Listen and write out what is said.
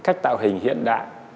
cách tạo hình hiện đại